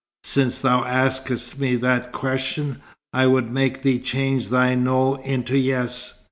"Since thou askest me that question, I would make thee change thy 'no' into 'yes.'